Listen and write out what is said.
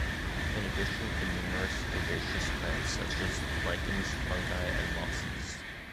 In addition to numerous herbaceous plants such as lichens, fungi and mosses.